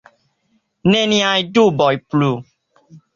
Neniaj duboj plu!